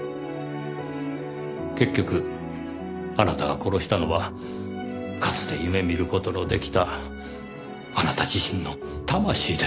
結局あなたが殺したのはかつて夢見る事の出来たあなた自身の魂ですよ。